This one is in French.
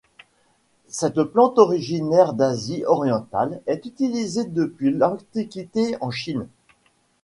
Cette plante originaire d'Asie orientale est utilisée depuis l'Antiquité en Chine.